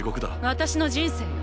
私の人生よ